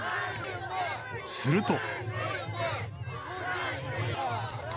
すると。